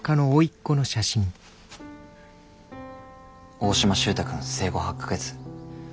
大島周太くん生後８か月。